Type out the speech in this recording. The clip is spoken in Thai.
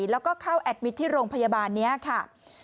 แล้วก็เข้าแอดมิตรที่โรงพยาบาลนี้ค่ะ